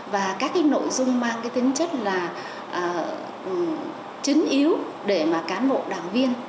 và các cái nội dung mang cái tính chất là chứng yếu để mà cán bộ đảng viên